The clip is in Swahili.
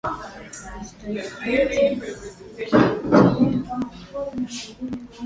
stadich amesema ni muhimu kwa nch hizo kufungua ukurasa mpya